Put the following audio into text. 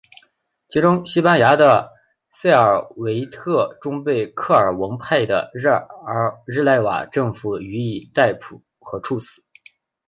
其中西班牙的塞尔维特终被克尔文派的日内瓦政府予以逮捕和处死。